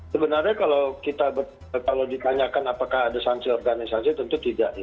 sebenarnya kalau kita kalau ditanyakan apakah ada sanksi organisasi tentu tidak ya